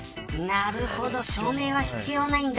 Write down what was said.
なるほど証明は必要ないんだ。